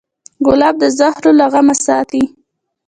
ګلاب د زهرو له غمه ساتي.